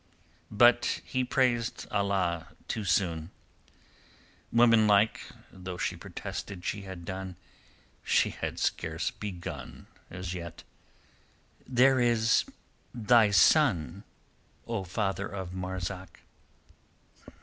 But he praised Allah too soon. Woman like, though she protested she had done, she had scarce begun as yet. "There is thy son, O father of Marzak."